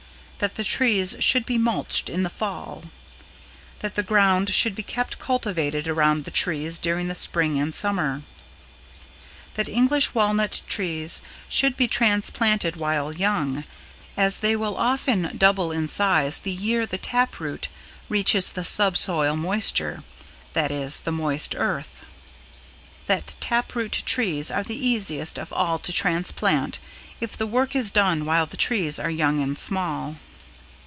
That the trees should be mulched in the Fall. That the ground should be kept cultivated around the trees during the Spring and Summer. That English Walnut trees should be transplanted while young, as they will often double in size the year the tap root reaches the sub soil moisture (that is, the moist earth). That tap root trees are the easiest of all to transplant if the work is done while the trees are young and small.